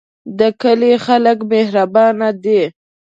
د کلی خلک مهربانه دي